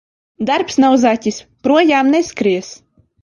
Darbs nav zaķis – projām neskries.